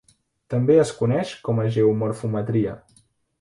També es coneix com a geomorfometria.